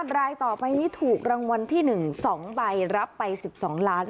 รายต่อไปนี้ถูกรางวัลที่๑๒ใบรับไป๑๒ล้าน